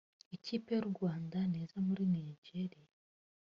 Ikipe y’u Rwanda niza muri Nigeria